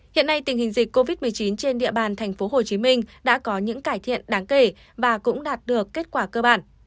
hiện nay tình hình dịch covid một mươi chín trên địa bàn tp hcm đã có những cải thiện đáng kể và cũng đạt được kết quả cơ bản